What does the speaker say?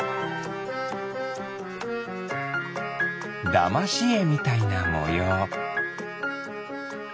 だましえみたいなもよう。